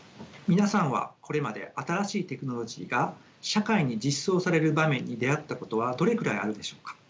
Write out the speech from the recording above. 皆さんはこれまで新しいテクノロジーが社会に実装される場面に出会ったことはどれくらいあるでしょうか？